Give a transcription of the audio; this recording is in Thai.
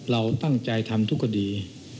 เราตั้งใจทำทุกคดี